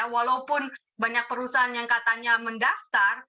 walaupun banyak perusahaan yang katanya mendaftar